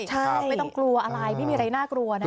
ใช่ไม่ต้องกลัวอะไรไม่มีอะไรน่ากลัวนะ